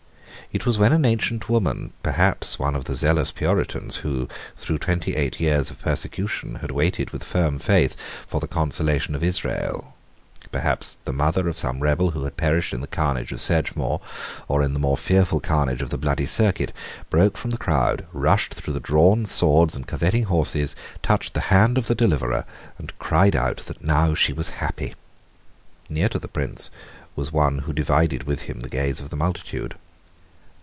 It was when an ancient woman, perhaps one of the zealous Puritans who through twenty eight years of persecution had waited with firm faith for the consolation of Israel, perhaps the mother of some rebel who had perished in the carnage of Sedgemoor, or in the more fearful carnage of the Bloody Circuit, broke from the crowd, rushed through the drawn swords and curvetting horses, touched the hand of the deliverer, and cried out that now she was happy. Near to the Prince was one who divided with him the gaze of the multitude.